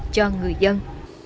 cho người dân